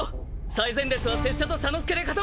最前列は拙者と左之助で固める！